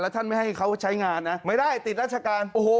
ท่านไม่ให้เขาใช้งานนะไม่ได้ติดราชการโอ้โห